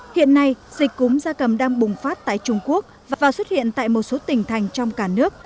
hiện nay dịch cúm da cầm đang bùng phát tại trung quốc và xuất hiện tại một số tỉnh thành trong cả nước